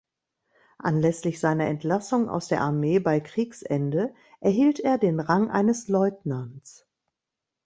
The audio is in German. Anlässlich seiner Entlassung aus der Armee bei Kriegsende erhielt er den Rang eines Leutnants.